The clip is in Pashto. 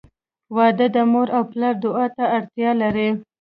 • واده د مور او پلار دعا ته اړتیا لري.